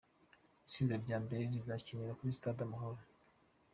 Itsinda rya mbere : Rizakinira kuri sitade Amahoro